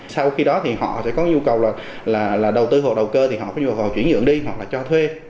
sau khi đó thì họ sẽ có nhu cầu là đầu tư hoặc đầu cơ thì họ có nhu cầu chuyển dưỡng đi hoặc là cho thuê